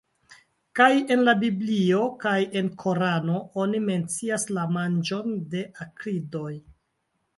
Kaj en la biblio kaj en korano oni mencias la manĝon de akridoj.